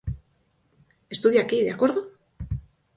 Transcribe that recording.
Estudia aquí, ¿de acordo?